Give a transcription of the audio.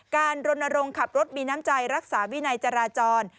รณรงค์ขับรถมีน้ำใจรักษาวินัยจราจร